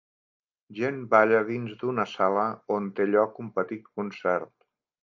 Gent balla dins d'una sala on té lloc un petit concert.